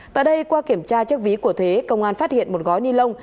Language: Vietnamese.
tại đây qua kiểm tra chiếc ví của thế công an phát hiện một gói ni lông